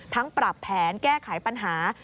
ปรับแผนแก้ไขปัญหา